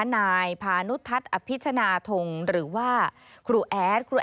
นายพานุทัศน์อภิชนาธงหรือว่าครูแอด